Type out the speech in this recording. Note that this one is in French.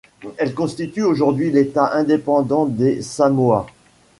Elles constituent aujourd'hui l'État indépendant des Samoa.